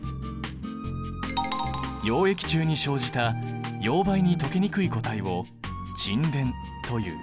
溶液中に生じた溶媒に溶けにくい固体を沈殿という。